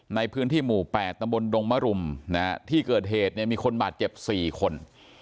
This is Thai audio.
ในพื้นที่หมู่๘ตำบลดงมรุมที่เกิดเหตุเนี่ยมีคนบาดเจ็บ๔คน